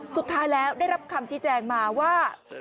สุดท้ายแล้วได้รับคำชี้แจงมาว่า